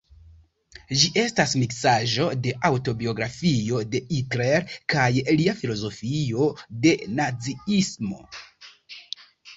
Ĝi estas miksaĵo de aŭtobiografio de Hitler kaj lia filozofio de naziismo.